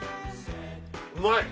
うまい！